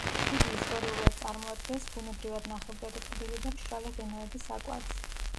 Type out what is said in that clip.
იგი ისტორიულად წარმოადგენს ბუნებრივად ნახევრად ტკბილი და მშრალი ღვინოების აკვანს.